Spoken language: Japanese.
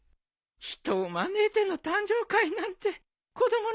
人を招いての誕生会なんて子供のころ以来だ。